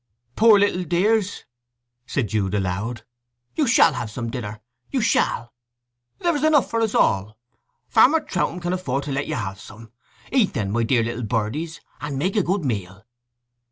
"Poor little dears!" said Jude, aloud. "You shall have some dinner—you shall. There is enough for us all. Farmer Troutham can afford to let you have some. Eat, then my dear little birdies, and make a good meal!"